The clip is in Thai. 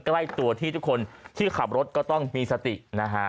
ใกล้ตัวที่ทุกคนที่ขับรถก็ต้องมีสตินะฮะ